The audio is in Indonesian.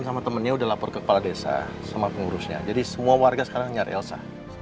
sama temennya udah lapor ke kepala desa sama pengurusnya jadi semua warga sekarang nyari elsa